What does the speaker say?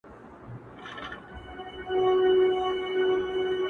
• د سیالانو په ټولۍ کي قافلې روانومه -